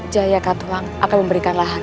jaya katwang akan memberikan lahange